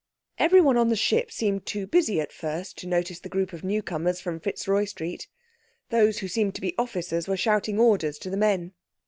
Everyone on the ship seemed too busy at first to notice the group of newcomers from Fitzroy Street. Those who seemed to be officers were shouting orders to the men.